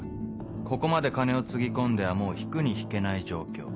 ここまで金をつぎ込んではもう引くに引けない状況。